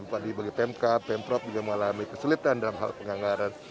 jadi bagi temkap temprop juga mengalami kesulitan dalam hal penganggaran